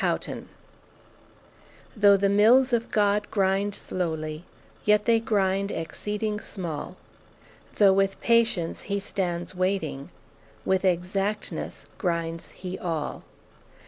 APPENDIX Though the mills of God grind slowly, yet they grind exceeding small; Though with patience He stands waiting, with exactness grinds He all.